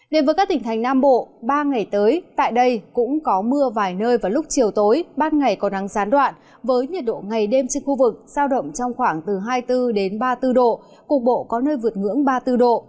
đến với các tỉnh thành nam bộ ba ngày tới tại đây cũng có mưa vài nơi vào lúc chiều tối ban ngày có nắng gián đoạn với nhiệt độ ngày đêm trên khu vực sao động trong khoảng từ hai mươi bốn ba mươi bốn độ cục bộ có nơi vượt ngưỡng ba mươi bốn độ